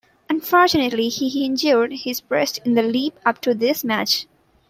Unfortunately, he injured his wrist in the lead up to this match.